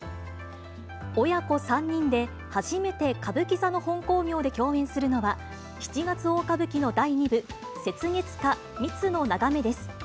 親子３人で初めて歌舞伎座の本興行で共演するのは、七月大歌舞伎の第二部、雪月花三景です。